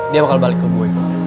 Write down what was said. dia bakal balik ke gue